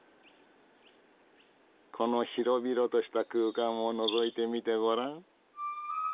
この広々とした空間をのぞいてみてごらん。